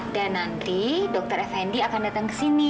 dan nanti dokter fnd akan datang kesini